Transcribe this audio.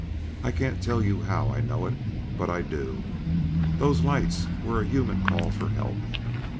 I can't tell you how I know it, but I do. Those lights were a human call for help.